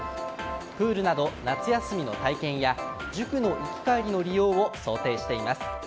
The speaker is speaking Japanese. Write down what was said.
プールなど夏休みの体験や塾の生き帰りの利用を想定しています。